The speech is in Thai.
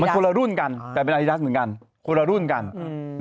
ไอหลายแต่เป็นสมัยเหมือนกันคนละรุ่นกันอืม